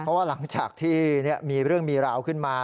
เพราะว่าหลังจากที่มีเรื่องมีราวขึ้นมา